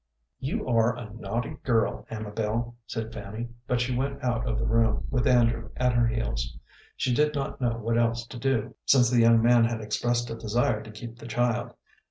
"You are a naughty girl, Amabel," said Fanny; but she went out of the room, with Andrew at her heels. She did not know what else to do, since the young man had expressed a desire to keep the child.